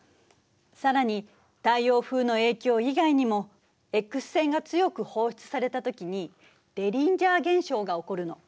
更に太陽風の影響以外にもＸ線が強く放出されたときにデリンジャー現象が起こるの。